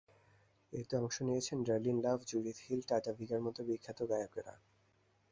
এতে অংশ নিয়েছেন ডারলিন লাভ, জুডিথ হিল, টাটা ভিগার মতো বিখ্যাত গায়কেরা।